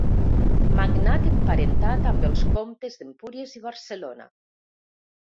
Magnat emparentat amb els comtes d'Empúries i Barcelona.